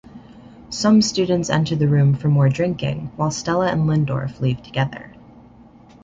Some students enter the room for more drinking, while Stella and Lindorf leave together.